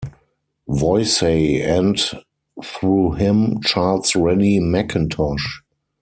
Voysey, and, through him, Charles Rennie Mackintosh.